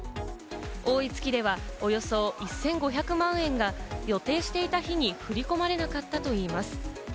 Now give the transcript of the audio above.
多い月ではおよそ１５００万円が予定していた日に振り込まれなかったといいます。